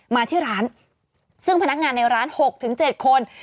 มาที่ร้านซึ่งพนักงานในร้านหกถึงเจ็ดคน